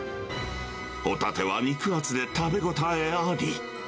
ホタテは肉厚で、食べ応えあり。